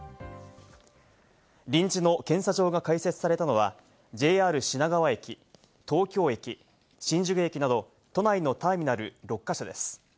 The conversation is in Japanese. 臨時の検査場が開設されたのはＪＲ品川駅、東京駅、新宿駅など都内のターミナル６か所です。